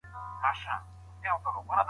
خلګو خپلو مهارتونو ته پراختيا ورکړه.